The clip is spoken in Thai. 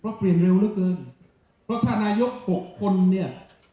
เพราะเปลี่ยนเร็วเหลือเกินเพราะถ้านายกหกคนเนี่ย